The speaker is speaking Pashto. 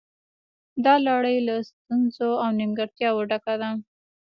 دا لړۍ له ستونزو او نیمګړتیاوو ډکه ده